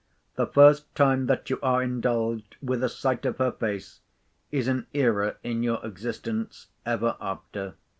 The first time that you are indulged with a sight of her face, is an era in your existence ever after.